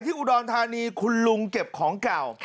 อุดรธานีคุณลุงเก็บของเก่า